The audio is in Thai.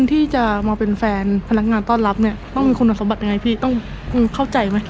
ที่จะมาเป็นแฟนพนักงานต้อนรับเนี่ยต้องมีคุณสมบัติยังไงพี่ต้องเข้าใจไหม